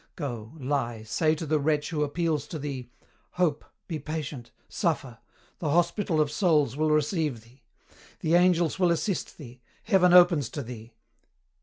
Go, lie, say to the wretch who appeals to thee, 'Hope, be patient, suffer; the hospital of souls will receive thee; the angels will assist thee; Heaven opens to thee.'